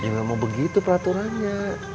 ya memang begitu peraturannya